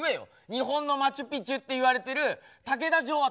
日本のマチュピチュっていわれてる竹田城跡。